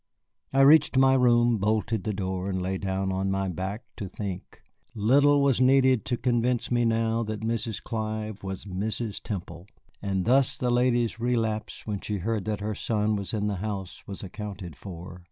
I reached my room, bolted the door, and lay down on my back to think. Little was needed to convince me now that Mrs. Clive was Mrs. Temple, and thus the lady's relapse when she heard that her son was in the house was accounted for.